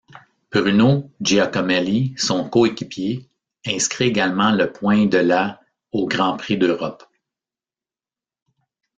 Bruno Giacomelli, son coéquipier, inscrit également le point de la au Grand Prix d'Europe.